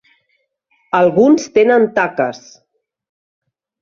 Alguns tenen taques.